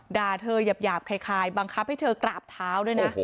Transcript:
ด่าเธอหยาบคล้ายบังคับให้เธอกราบเท้าด้วยนะ